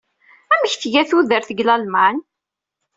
Amek tga tudert deg Lalman?